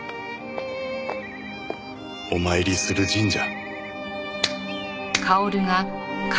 お参りする神社。